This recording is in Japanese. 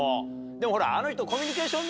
でもほらあの人。